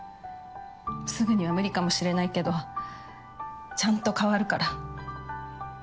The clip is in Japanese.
すぐには無理かもしれないけどちゃんと変わるから。